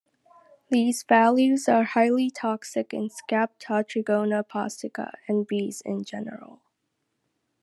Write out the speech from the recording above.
These values are highly toxic in "Scaptotrigona postica" and bees in general.